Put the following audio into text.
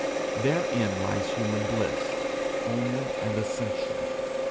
Therein lies human bliss only and essential.